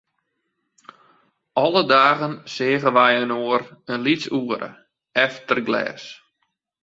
Alle dagen seagen wy inoar in lyts oere, efter glês.